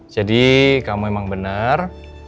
jadi kamu emang bener